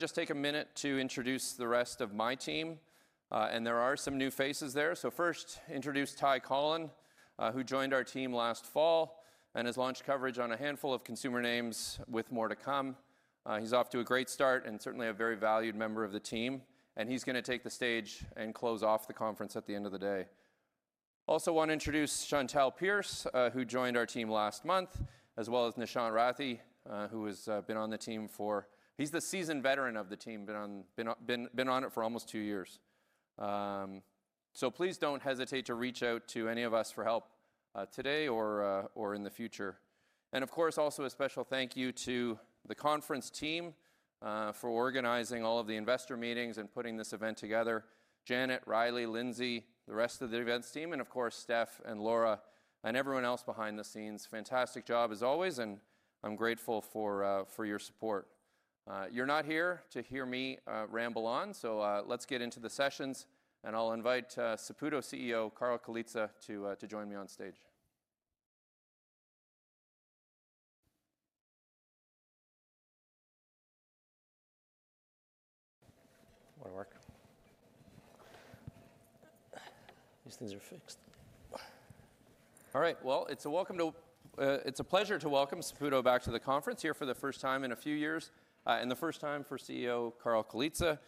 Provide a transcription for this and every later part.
Just take a minute to introduce the rest of my team, and there are some new faces there. First, introduce Ty Collin, who joined our team last fall and has launched coverage on a handful of consumer names with more to come. He's off to a great start and certainly a very valued member of the team, and he's going to take the stage and close off the conference at the end of the day. Also want to introduce Chantel Pearce, who joined our team last month, as well as Nishant Rathi, who has been on the team for—he's the seasoned veteran of the team, been on it for almost two years. Please don't hesitate to reach out to any of us for help today or in the future. Of course, also a special thank you to the conference team for organizing all of the investor meetings and putting this event together: Janet, Riley, Lindsay, the rest of the events team, and of course, Steph and Laura and everyone else behind the scenes. Fantastic job as always, and I'm grateful for your support. You're not here to hear me ramble on, so let's get into the sessions, and I'll invite Saputo CEO Carl Colizza to join me on stage. Want to work? These things are fixed. All right, it's a pleasure to welcome Saputo back to the conference here for the first time in a few years, and the first time for CEO Carl Colizza.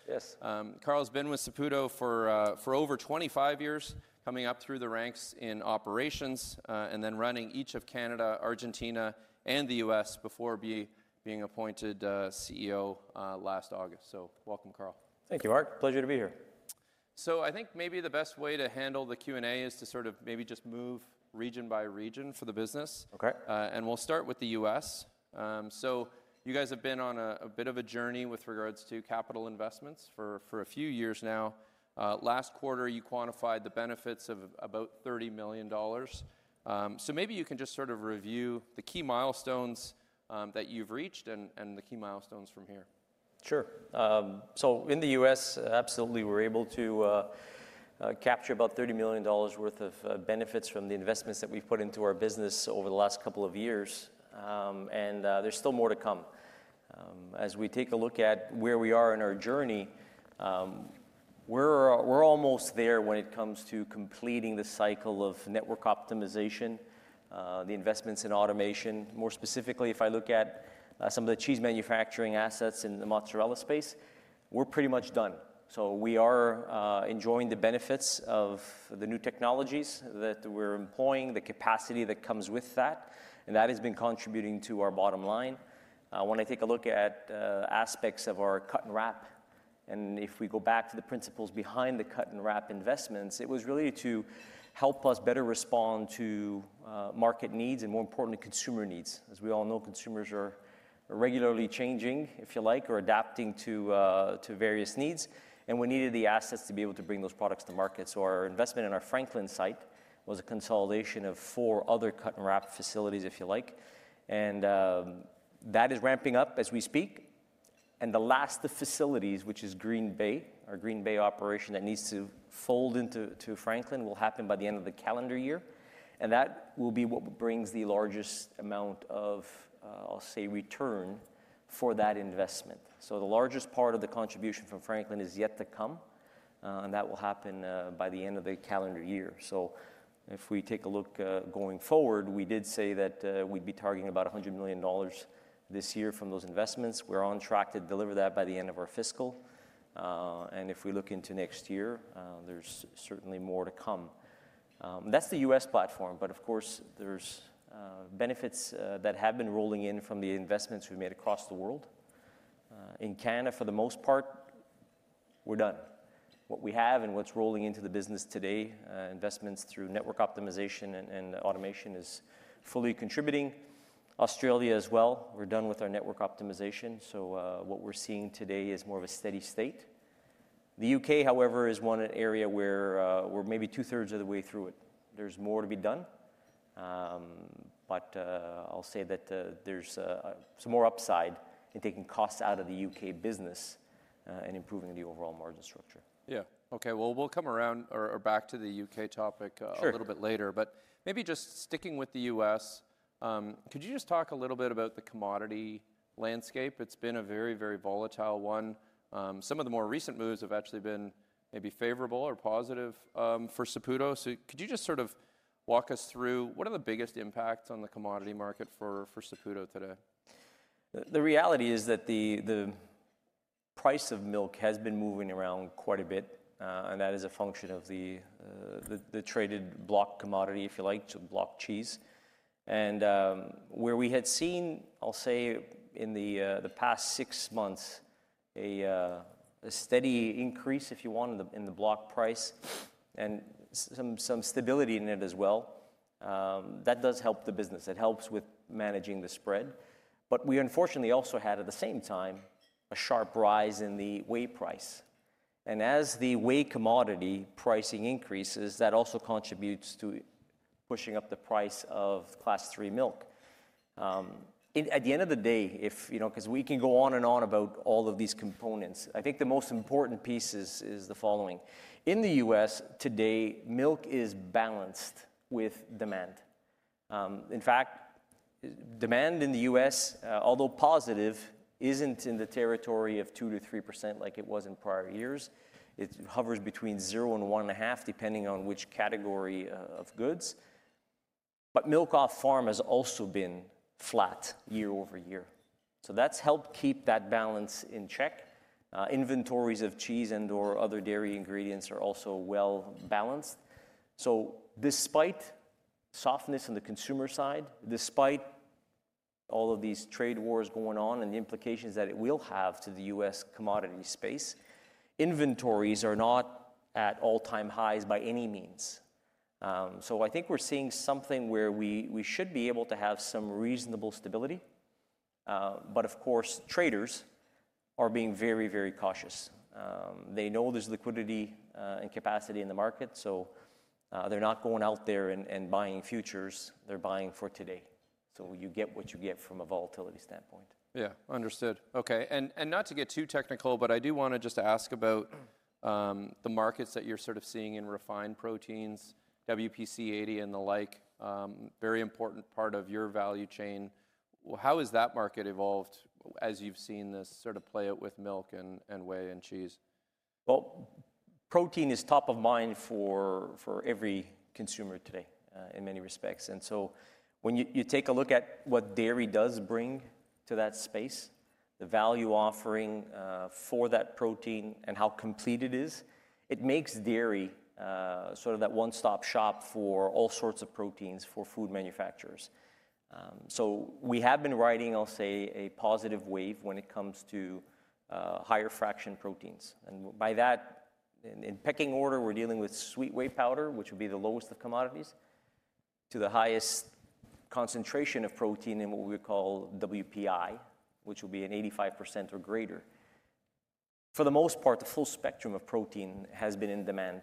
Carl's been with Saputo for over 25 years, coming up through the ranks in operations and then running each of Canada, Argentina, and the U.S. before being appointed CEO last August. Welcome, Carl. Thank you, Mark. Pleasure to be here. I think maybe the best way to handle the Q&A is to sort of maybe just move region by region for the business. We'll start with the U.S. You guys have been on a bit of a journey with regards to capital investments for a few years now. Last quarter, you quantified the benefits of about $30 million. Maybe you can just sort of review the key milestones that you've reached and the key milestones from here. Sure. In the U.S., absolutely, we're able to capture about $30 million worth of benefits from the investments that we've put into our business over the last couple of years, and there's still more to come. As we take a look at where we are in our journey, we're almost there when it comes to completing the cycle of network optimization, the investments in automation. More specifically, if I look at some of the cheese manufacturing assets in the mozzarella space, we're pretty much done. We are enjoying the benefits of the new technologies that we're employing, the capacity that comes with that, and that has been contributing to our bottom line. When I take a look at aspects of our cut and wrap, and if we go back to the principles behind the cut and wrap investments, it was really to help us better respond to market needs and, more importantly, consumer needs. As we all know, consumers are regularly changing, if you like, or adapting to various needs, and we needed the assets to be able to bring those products to market. Our investment in our Franklin site was a consolidation of four other cut and wrap facilities, if you like, and that is ramping up as we speak. The last of the facilities, which is Green Bay, our Green Bay operation that needs to fold into Franklin, will happen by the end of the calendar year, and that will be what brings the largest amount of, I'll say, return for that investment. The largest part of the contribution from Franklin is yet to come, and that will happen by the end of the calendar year. If we take a look going forward, we did say that we'd be targeting about $100 million this year from those investments. We're on track to deliver that by the end of our fiscal, and if we look into next year, there's certainly more to come. That's the U.S platform, but of course, there's benefits that have been rolling in from the investments we've made across the world. In Canada, for the most part, we're done. What we have and what's rolling into the business today, investments through network optimization and automation, is fully contributing. Australia as well, we're done with our network optimization, so what we're seeing today is more of a steady state. The U.K., however, is one area where we're maybe two-thirds of the way through it. There's more to be done, but I'll say that there's some more upside in taking costs out of the U.K. business and improving the overall margin structure. Yeah. Okay, we'll come around or back to the U.K. topic a little bit later, but maybe just sticking with the U.S., could you just talk a little bit about the commodity landscape? It's been a very, very volatile one. Some of the more recent moves have actually been maybe favorable or positive for Saputo, so could you just sort of walk us through what are the biggest impacts on the commodity market for Saputo today? The reality is that the price of milk has been moving around quite a bit, and that is a function of the traded block commodity, if you like, so block cheese. Where we had seen, I'll say, in the past six months, a steady increase, if you want, in the block price and some stability in it as well, that does help the business. It helps with managing the spread, but we unfortunately also had, at the same time, a sharp rise in the whey price. As the whey commodity pricing increases, that also contributes to pushing up the price of Class III milk. At the end of the day, because we can go on and on about all of these components, I think the most important piece is the following. In the U.S. today, milk is balanced with demand. In fact, demand in the U.S., although positive, isn't in the territory of 2%-3% like it was in prior years. It hovers between 0% and 1.5% depending on which category of goods, but milk off farm has also been flat year over year. That has helped keep that balance in check. Inventories of cheese and/or other dairy ingredients are also well balanced. Despite softness on the consumer side, despite all of these trade wars going on and the implications that it will have to the U.S. commodity space, inventories are not at all-time highs by any means. I think we're seeing something where we should be able to have some reasonable stability, but of course, traders are being very, very cautious. They know there's liquidity and capacity in the market, so they're not going out there and buying futures; they're buying for today. You get what you get from a volatility standpoint. Yeah, understood. Okay, not to get too technical, but I do want to just ask about the markets that you're sort of seeing in refined proteins, WPC 80 and the like, very important part of your value chain. How has that market evolved as you've seen this sort of play out with milk and whey and cheese? Protein is top of mind for every consumer today in many respects, and when you take a look at what dairy does bring to that space, the value offering for that protein and how complete it is, it makes dairy sort of that one-stop shop for all sorts of proteins for food manufacturers. We have been riding, I'll say, a positive wave when it comes to higher fraction proteins. By that, in pecking order, we're dealing with sweet whey powder, which would be the lowest of commodities, to the highest concentration of protein in what we call WPI, which would be an 85% or greater. For the most part, the full spectrum of protein has been in demand,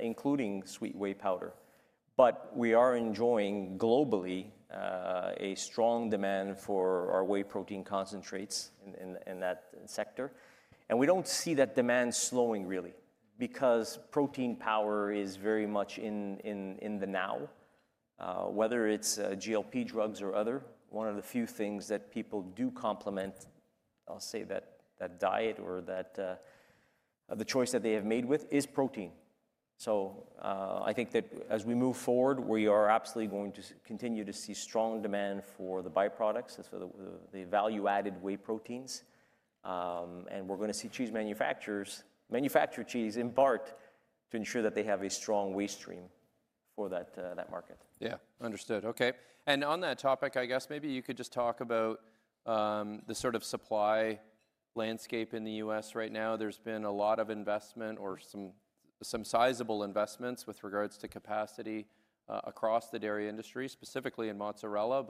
including sweet whey powder, but we are enjoying globally a strong demand for our whey protein concentrates in that sector, and we do not see that demand slowing really because protein power is very much in the now, whether it is GLP drugs or other. One of the few things that people do complement, I will say, that diet or the choice that they have made with is protein. I think that as we move forward, we are absolutely going to continue to see strong demand for the byproducts, the value-added whey proteins, and we are going to see cheese manufacturers manufacture cheese in part to ensure that they have a strong whey stream for that market. Yeah, understood. Okay, on that topic, I guess maybe you could just talk about the sort of supply landscape in the U.S. right now. There's been a lot of investment or some sizable investments with regards to capacity across the dairy industry, specifically in mozzarella,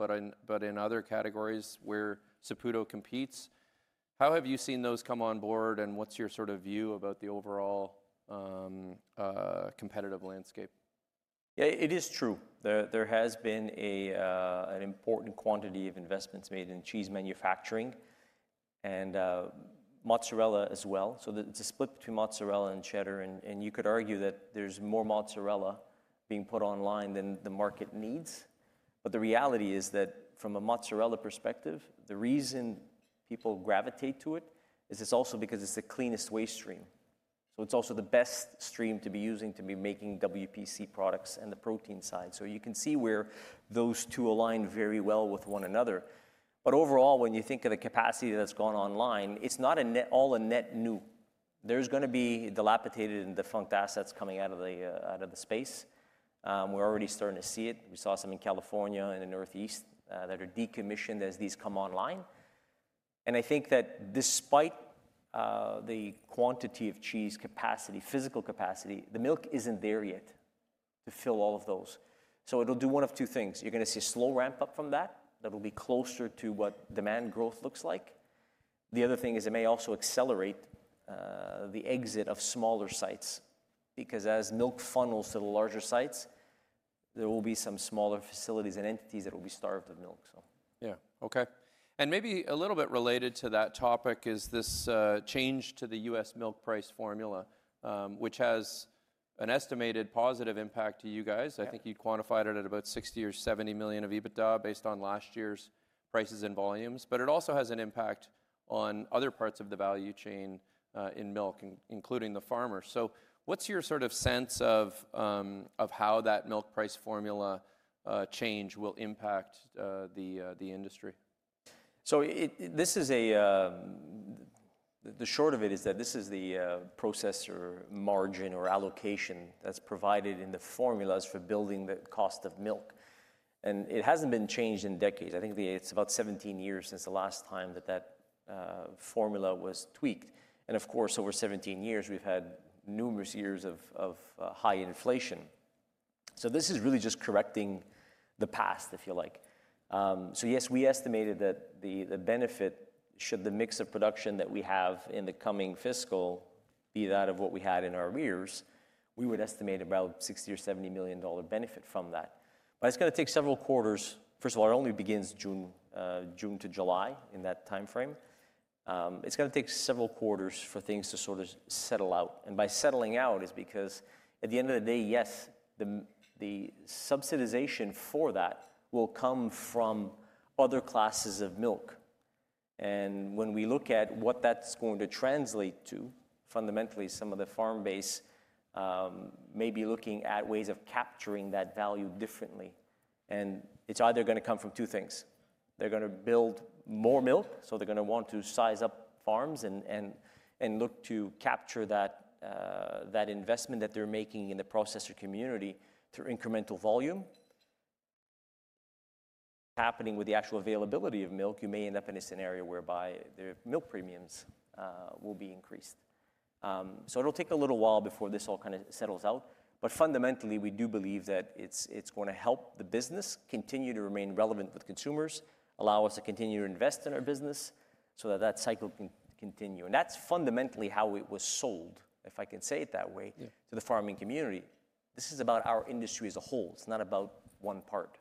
but in other categories where Saputo competes. How have you seen those come on board, and what's your sort of view about the overall competitive landscape? Yeah, it is true. There has been an important quantity of investments made in cheese manufacturing and mozzarella as well. It is a split between mozzarella and cheddar, and you could argue that there is more mozzarella being put online than the market needs, but the reality is that from a mozzarella perspective, the reason people gravitate to it is it is also because it is the cleanest whey stream. It is also the best stream to be using to be making WPC products and the protein side. You can see where those two align very well with one another. Overall, when you think of the capacity that has gone online, it is not all a net new. There are going to be dilapidated and defunct assets coming out of the space. We are already starting to see it. We saw some in California and the Northeast that are decommissioned as these come online. I think that despite the quantity of cheese capacity, physical capacity, the milk isn't there yet to fill all of those. It will do one of two things. You're going to see a slow ramp up from that that'll be closer to what demand growth looks like. The other thing is it may also accelerate the exit of smaller sites because as milk funnels to the larger sites, there will be some smaller facilities and entities that will be starved of milk. Yeah, okay. Maybe a little bit related to that topic is this change to the U.S. milk price formula, which has an estimated positive impact to you guys. I think you quantified it at about $60 million or $70 million of EBITDA based on last year's prices and volumes, but it also has an impact on other parts of the value chain in milk, including the farmer. What is your sort of sense of how that milk price formula change will impact the industry? The short of it is that this is the processor margin or allocation that's provided in the formulas for building the cost of milk, and it hasn't been changed in decades. I think it's about 17 years since the last time that that formula was tweaked, and of course, over 17 years, we've had numerous years of high inflation. This is really just correcting the past, if you like. Yes, we estimated that the benefit, should the mix of production that we have in the coming fiscal be that of what we had in arrears, we would estimate about $60 million or $70 million benefit from that. It's going to take several quarters. First of all, it only begins June to July in that timeframe. It's going to take several quarters for things to sort of settle out, and by settling out is because at the end of the day, yes, the subsidization for that will come from other classes of milk. When we look at what that's going to translate to, fundamentally, some of the farm base may be looking at ways of capturing that value differently, and it's either going to come from two things. They're going to build more milk, so they're going to want to size up farms and look to capture that investment that they're making in the processor community through incremental volume. Happening with the actual availability of milk, you may end up in a scenario whereby their milk premiums will be increased. It'll take a little while before this all kind of settles out, but fundamentally, we do believe that it's going to help the business continue to remain relevant with consumers, allow us to continue to invest in our business so that that cycle can continue. That's fundamentally how it was sold, if I can say it that way, to the farming community. This is about our industry as a whole. It's not about one part.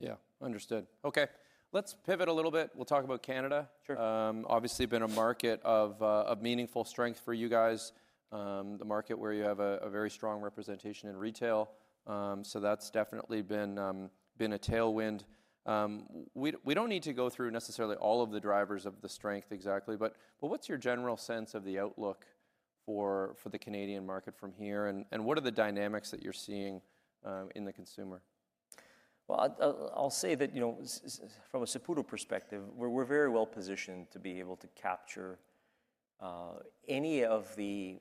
Yeah, understood. Okay, let's pivot a little bit. We'll talk about Canada. Obviously, been a market of meaningful strength for you guys, the market where you have a very strong representation in retail, so that's definitely been a tailwind. We don't need to go through necessarily all of the drivers of the strength exactly, but what's your general sense of the outlook for the Canadian market from here, and what are the dynamics that you're seeing in the consumer? I will say that from a Saputo perspective, we're very well positioned to be able to capture any of the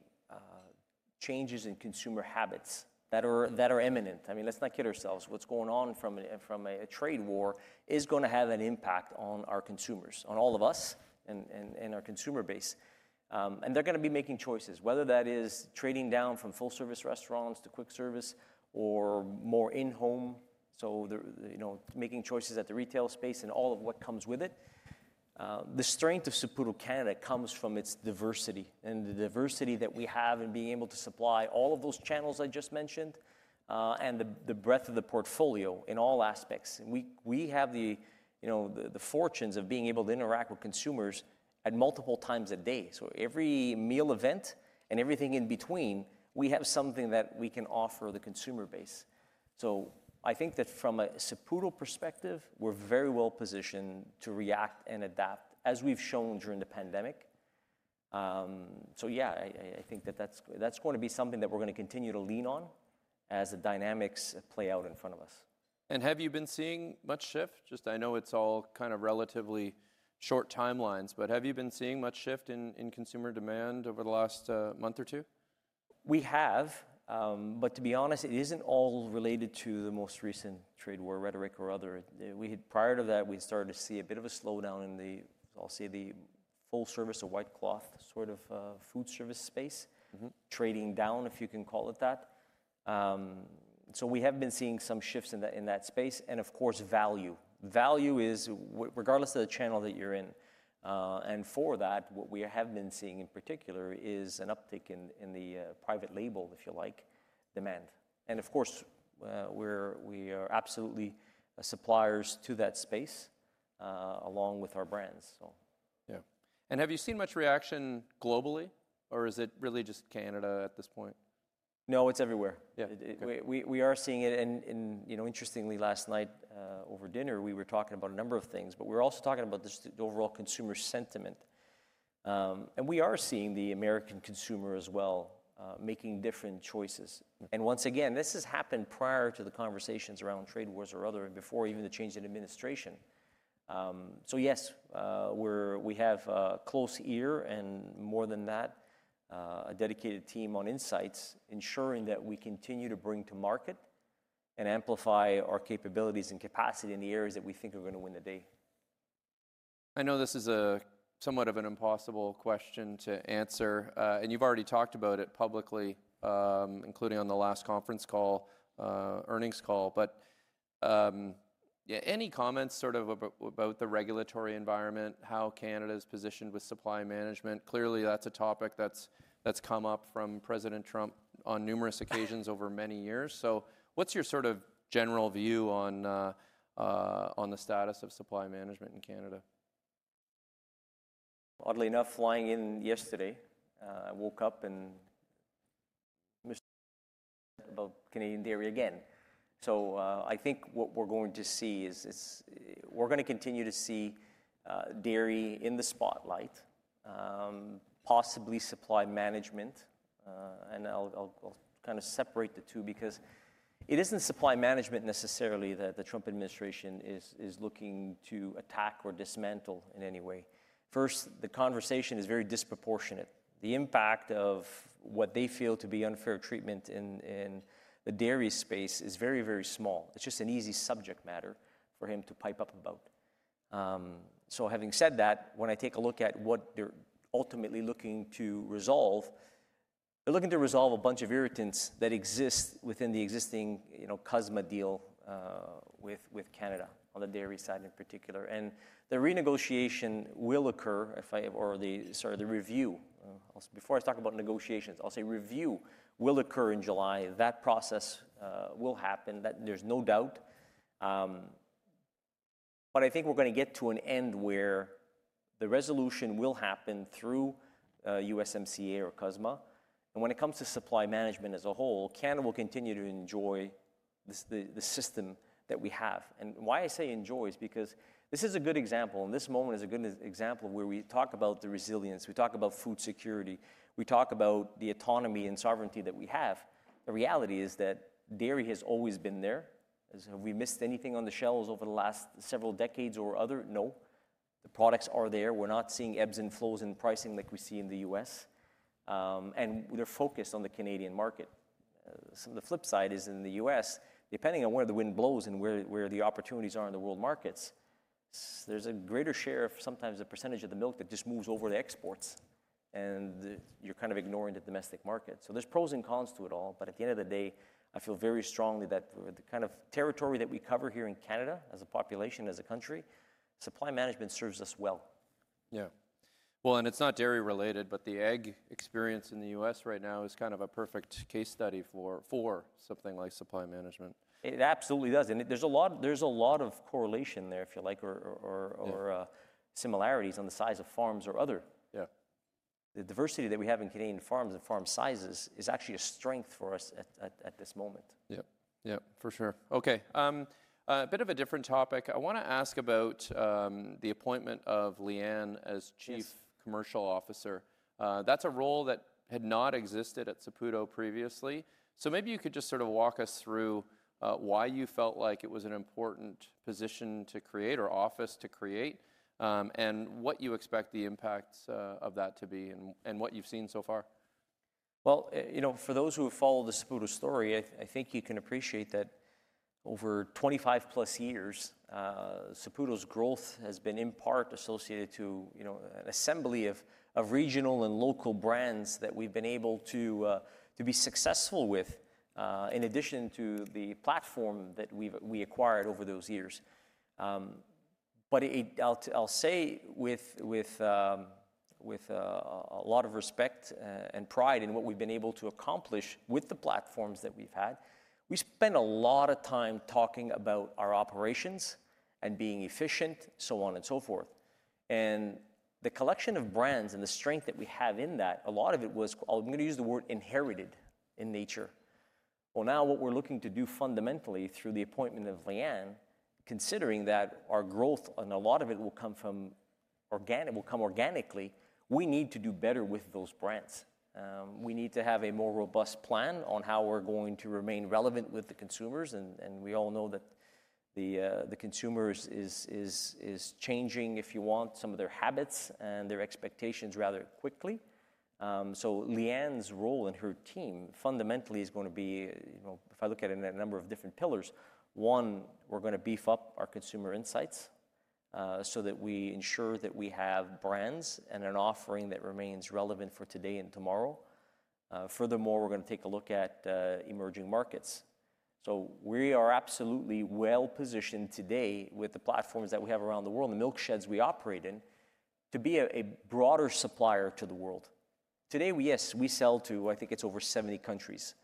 changes in consumer habits that are imminent. I mean, let's not kid ourselves. What's going on from a trade war is going to have an impact on our consumers, on all of us and our consumer base, and they're going to be making choices, whether that is trading down from full-service restaurants to quick service or more in-home, making choices at the retail space and all of what comes with it. The strength of Saputo, Canada, comes from its diversity and the diversity that we have in being able to supply all of those channels I just mentioned and the breadth of the portfolio in all aspects. We have the fortunes of being able to interact with consumers at multiple times a day, so every meal event and everything in between, we have something that we can offer the consumer base. I think that from a Saputo perspective, we're very well positioned to react and adapt as we've shown during the pandemic. I think that that's going to be something that we're going to continue to lean on as the dynamics play out in front of us. Have you been seeing much shift? Just I know it's all kind of relatively short timelines, but have you been seeing much shift in consumer demand over the last month or two? We have, but to be honest, it isn't all related to the most recent trade war rhetoric or other. Prior to that, we started to see a bit of a slowdown in the, I'll say, the full-service or white cloth sort of food service space trading down, if you can call it that. We have been seeing some shifts in that space and, of course, value. Value is regardless of the channel that you're in, and for that, what we have been seeing in particular is an uptick in the private label, if you like, demand. Of course, we are absolutely suppliers to that space along with our brands. Yeah, and have you seen much reaction globally, or is it really just Canada at this point? No, it's everywhere. Yeah, we are seeing it, and interestingly, last night over dinner, we were talking about a number of things, but we were also talking about just the overall consumer sentiment, and we are seeing the American consumer as well making different choices. Once again, this has happened prior to the conversations around trade wars or other before even the change in administration. Yes, we have a close ear and more than that, a dedicated team on insights ensuring that we continue to bring to market and amplify our capabilities and capacity in the areas that we think are going to win the day. I know this is somewhat of an impossible question to answer, and you've already talked about it publicly, including on the last conference call, earnings call, but yeah, any comments sort of about the regulatory environment, how Canada is positioned with supply management? Clearly, that's a topic that's come up from President Trump on numerous occasions over many years. What's your sort of general view on the status of supply management in Canada? Oddly enough, flying in yesterday, I woke up and thought about Canadian dairy again. I think what we're going to see is we're going to continue to see dairy in the spotlight, possibly supply management, and I'll kind of separate the two because it isn't supply management necessarily that the Trump administration is looking to attack or dismantle in any way. First, the conversation is very disproportionate. The impact of what they feel to be unfair treatment in the dairy space is very, very small. It's just an easy subject matter for him to pipe up about. Having said that, when I take a look at what they're ultimately looking to resolve, they're looking to resolve a bunch of irritants that exist within the existing USMCA deal with Canada on the dairy side in particular, and the renegotiation will occur if not already started the review. Before I talk about negotiations, I'll say review will occur in July. That process will happen, there's no doubt, but I think we're going to get to an end where the resolution will happen through USMCA or CUSMA, and when it comes to supply management as a whole, Canada will continue to enjoy the system that we have. Why I say enjoy is because this is a good example, and this moment is a good example where we talk about the resilience, we talk about food security, we talk about the autonomy and sovereignty that we have. The reality is that dairy has always been there. Have we missed anything on the shelves over the last several decades or other? No. The products are there. We're not seeing ebbs and flows in pricing like we see in the U.S., and they're focused on the Canadian market. The flip side is in the U.S., depending on where the wind blows and where the opportunities are in the world markets, there's a greater share of sometimes a percentage of the milk that just moves over the exports, and you're kind of ignoring the domestic market. There are pros and cons to it all, but at the end of the day, I feel very strongly that the kind of territory that we cover here in Canada as a population, as a country, supply management serves us well. Yeah, and it's not dairy related, but the egg experience in the U.S. right now is kind of a perfect case study for something like supply management. It absolutely does, and there's a lot of correlation there, if you like, or similarities on the size of farms or other. Yeah. The diversity that we have in Canadian farms and farm sizes is actually a strength for us at this moment. Yeah, yeah, for sure. Okay, a bit of a different topic. I want to ask about the appointment of Leanne as Chief Commercial Officer. That's a role that had not existed at Saputo previously, so maybe you could just sort of walk us through why you felt like it was an important position to create or office to create and what you expect the impacts of that to be and what you've seen so far. For those who have followed the Saputo story, I think you can appreciate that over 25+ years, Saputo's growth has been in part associated to an assembly of regional and local brands that we've been able to be successful with in addition to the platform that we acquired over those years. I'll say with a lot of respect and pride in what we've been able to accomplish with the platforms that we've had, we spent a lot of time talking about our operations and being efficient, so on and so forth. The collection of brands and the strength that we have in that, a lot of it was, I'm going to use the word inherited in nature. Now what we're looking to do fundamentally through the appointment of Leanne, considering that our growth and a lot of it will come organically, we need to do better with those brands. We need to have a more robust plan on how we're going to remain relevant with the consumers, and we all know that the consumers is changing, if you want, some of their habits and their expectations rather quickly. Leanne's role and her team fundamentally is going to be, if I look at it in a number of different pillars, one, we're going to beef up our consumer insights so that we ensure that we have brands and an offering that remains relevant for today and tomorrow. Furthermore, we're going to take a look at emerging markets. We are absolutely well positioned today with the platforms that we have around the world and the milk sheds we operate in to be a broader supplier to the world. Today, yes, we sell to, I think it's over 70 countries,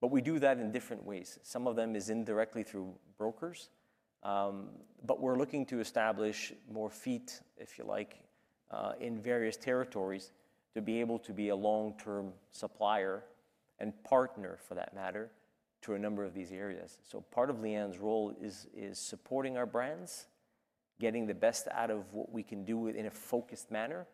but we do that in different ways. Some of them is indirectly through brokers, but we're looking to establish more feet, if you like, in various territories to be able to be a long-term supplier and partner for that matter to a number of these areas. Part of Leanne's role is supporting our brands, getting the best out of what we can do in a focused manner,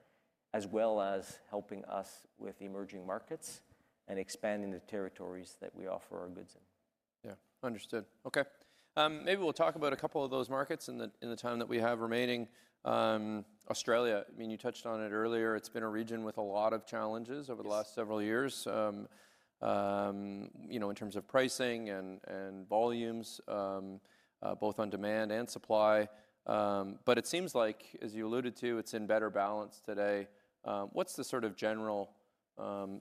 as well as helping us with emerging markets and expanding the territories that we offer our goods in. Yeah, understood. Okay, maybe we'll talk about a couple of those markets in the time that we have remaining. Australia, I mean, you touched on it earlier. It's been a region with a lot of challenges over the last several years in terms of pricing and volumes, both on demand and supply, but it seems like, as you alluded to, it's in better balance today. What's the sort of general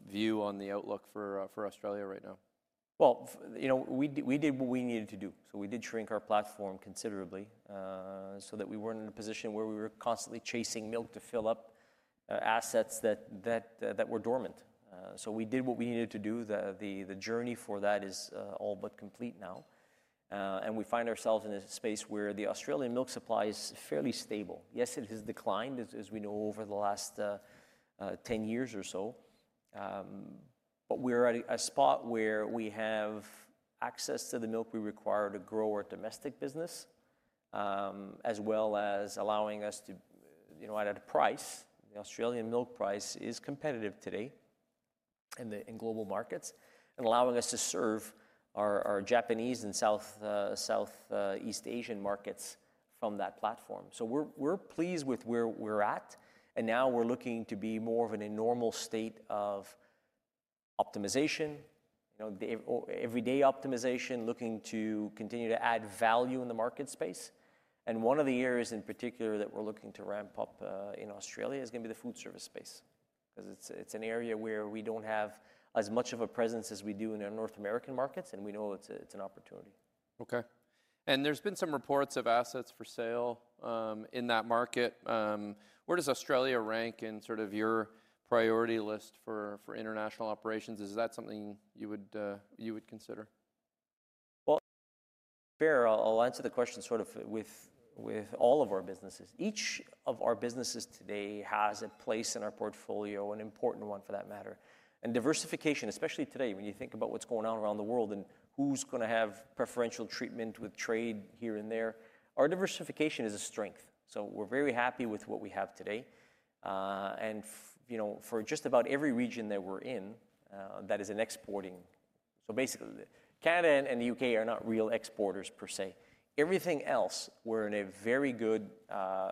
view on the outlook for Australia right now? We did what we needed to do, so we did shrink our platform considerably so that we were not in a position where we were constantly chasing milk to fill up assets that were dormant. We did what we needed to do. The journey for that is all but complete now, and we find ourselves in a space where the Australian milk supply is fairly stable. Yes, it has declined, as we know, over the last 10 years or so, but we are at a spot where we have access to the milk we require to grow our domestic business as well as allowing us to, at a price, the Australian milk price is competitive today in global markets and allowing us to serve our Japanese and Southeast Asian markets from that platform. We're pleased with where we're at, and now we're looking to be more of a normal state of optimization, everyday optimization, looking to continue to add value in the market space. One of the areas in particular that we're looking to ramp up in Australia is going to be the food service space because it's an area where we don't have as much of a presence as we do in our North American markets, and we know it's an opportunity. Okay, and there's been some reports of assets for sale in that market. Where does Australia rank in sort of your priority list for international operations? Is that something you would consider? To be fair, I'll answer the question sort of with all of our businesses. Each of our businesses today has a place in our portfolio, an important one for that matter, and diversification, especially today when you think about what's going on around the world and who's going to have preferential treatment with trade here and there, our diversification is a strength. We're very happy with what we have today, and for just about every region that we're in that is an exporting, so basically Canada and the U.K. are not real exporters per se. Everything else, we're in a very good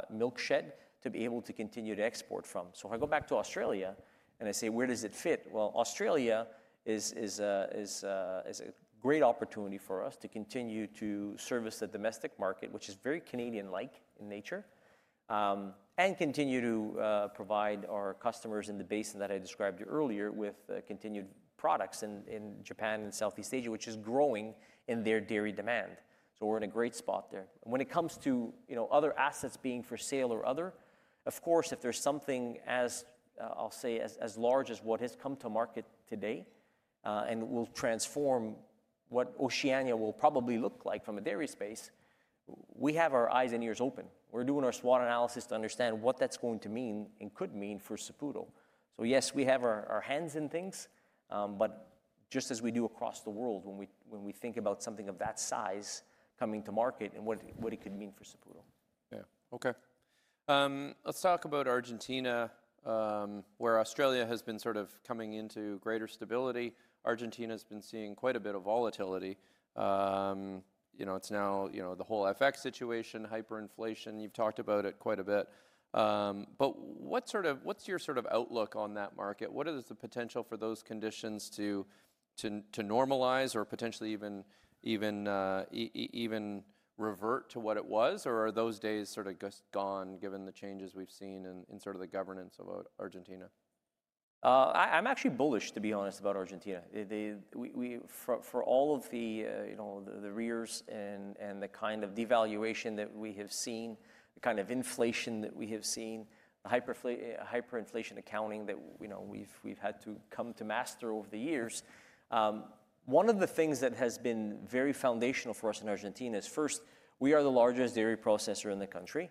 milk shed to be able to continue to export from. If I go back to Australia and I say, where does it fit? Australia is a great opportunity for us to continue to service the domestic market, which is very Canadian-like in nature, and continue to provide our customers in the basin that I described earlier with continued products in Japan and Southeast Asia, which is growing in their dairy demand. We are in a great spot there. When it comes to other assets being for sale or other, of course, if there is something, as I'll say, as large as what has come to market today and will transform what Oceania will probably look like from a dairy space, we have our eyes and ears open. We are doing our SWOT analysis to understand what that is going to mean and could mean for Saputo. Yes, we have our hands in things, but just as we do across the world when we think about something of that size coming to market and what it could mean for Saputo. Yeah, okay, let's talk about Argentina, where Australia has been sort of coming into greater stability. Argentina has been seeing quite a bit of volatility. It's now the whole FX situation, hyperinflation. You've talked about it quite a bit, but what's your sort of outlook on that market? What is the potential for those conditions to normalize or potentially even revert to what it was, or are those days sort of just gone given the changes we've seen in sort of the governance of Argentina? I'm actually bullish, to be honest, about Argentina. For all of the years and the kind of devaluation that we have seen, the kind of inflation that we have seen, the hyperinflation accounting that we've had to come to master over the years, one of the things that has been very foundational for us in Argentina is first, we are the largest dairy processor in the country.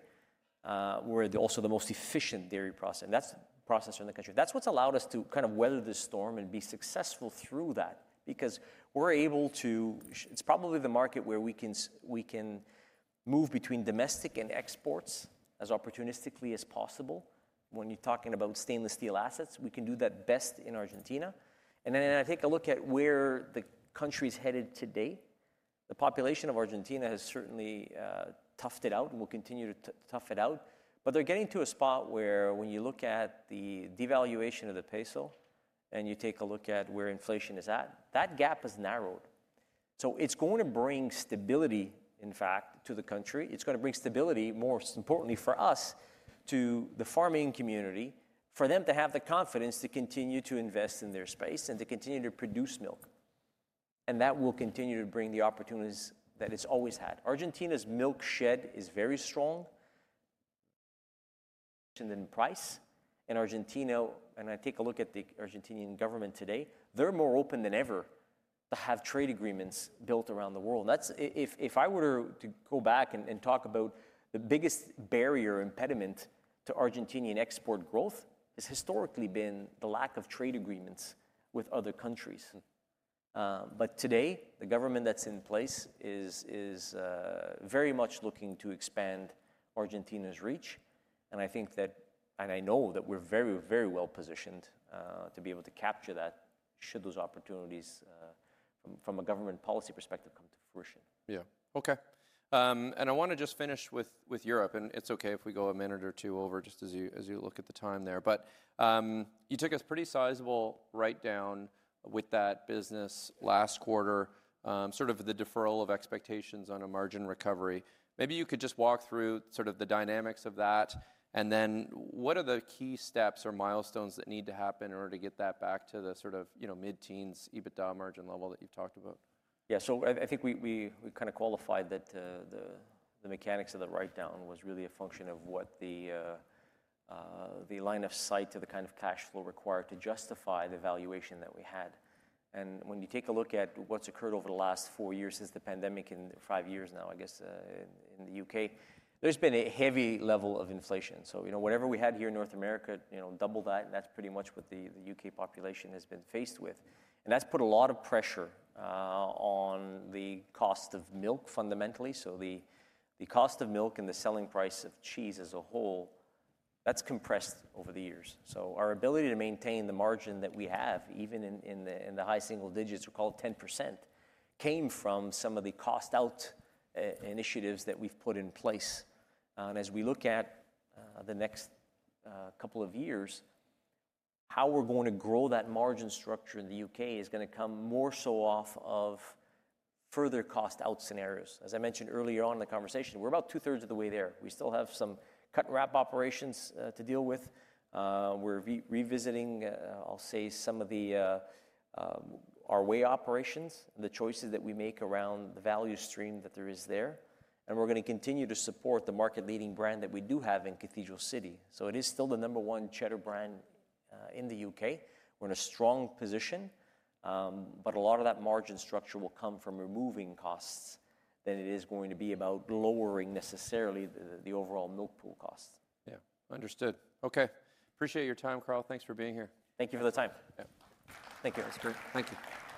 We're also the most efficient dairy processor. That's a processor in the country. That's what's allowed us to kind of weather the storm and be successful through that because we're able to, it's probably the market where we can move between domestic and exports as opportunistically as possible. When you're talking about stainless steel assets, we can do that best in Argentina. I take a look at where the country is headed today. The population of Argentina has certainly toughed it out and will continue to tough it out, but they're getting to a spot where when you look at the devaluation of the peso and you take a look at where inflation is at, that gap has narrowed. It is going to bring stability, in fact, to the country. It is going to bring stability, more importantly for us, to the farming community for them to have the confidence to continue to invest in their space and to continue to produce milk, and that will continue to bring the opportunities that it has always had. Argentina's milk shed is very strong in price, and Argentina, and I take a look at the Argentinian government today, they are more open than ever to have trade agreements built around the world. If I were to go back and talk about the biggest barrier impediment to Argentinian export growth, it's historically been the lack of trade agreements with other countries. Today the government that's in place is very much looking to expand Argentina's reach, and I think that, and I know that we're very, very well positioned to be able to capture that should those opportunities from a government policy perspective come to fruition. Yeah, okay, and I want to just finish with Europe, and it's okay if we go a minute or two over just as you look at the time there, but you took a pretty sizable write-down with that business last quarter, sort of the deferral of expectations on a margin recovery. Maybe you could just walk through sort of the dynamics of that, and then what are the key steps or milestones that need to happen in order to get that back to the sort of mid-teens EBITDA margin level that you've talked about? Yeah, so I think we kind of qualified that the mechanics of the write-down was really a function of the line of sight to the kind of cash flow required to justify the valuation that we had. When you take a look at what's occurred over the last four years since the pandemic, in five years now, I guess in the U.K., there's been a heavy level of inflation. Whatever we had here in North America, double that, and that's pretty much what the U.K. population has been faced with, and that's put a lot of pressure on the cost of milk fundamentally. The cost of milk and the selling price of cheese as a whole, that's compressed over the years. Our ability to maintain the margin that we have, even in the high single digits, we'll call it 10%, came from some of the cost-out initiatives that we've put in place. As we look at the next couple of years, how we're going to grow that margin structure in the U.K. is going to come more so off of further cost-out scenarios. As I mentioned earlier on in the conversation, we're about two-thirds of the way there. We still have some cut and wrap operations to deal with. We're revisiting, I'll say, some of our whey operations and the choices that we make around the value stream that there is there, and we're going to continue to support the market-leading brand that we do have in Cathedral City. It is still the number one cheddar brand in the U.K. We're in a strong position, but a lot of that margin structure will come from removing costs than it is going to be about lowering necessarily the overall milk pool cost. Yeah, understood. Okay, appreciate your time, Carl. Thanks for being here. Thank you for the time. Yeah. Thank you, that's great. Thank you.